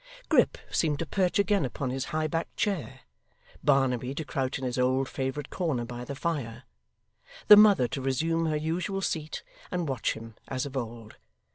Grip seemed to perch again upon his high backed chair; Barnaby to crouch in his old favourite corner by the fire; the mother to resume her usual seat, and watch him as of old.